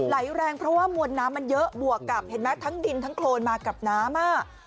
ไหลแรงเพราะว่ามวลน้ำมันเยอะบวกกับเห็นไหมทั้งดินทั้งโครนมากับน้ำ